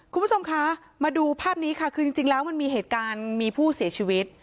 คุณผู้ชมคะมาดูภาพนี้ค่ะคือจริงแล้วมันมีเหตุการณ์มีผู้เสียชีวิต